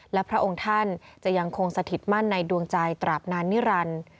และพระองค์ท่านจะยังคงสถิตมั่นในดวงใจตราบนานนิรันดิ์